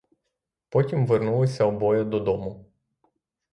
Потім вернулися обоє додому.